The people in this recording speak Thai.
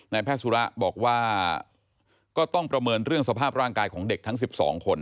แพทย์สุระบอกว่าก็ต้องประเมินเรื่องสภาพร่างกายของเด็กทั้ง๑๒คน